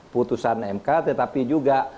putusan mk tetapi juga